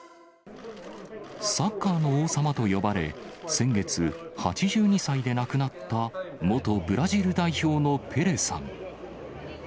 サッカーの王様と呼ばれ、先月、８２歳で亡くなった元ブラジル代表のペレさん。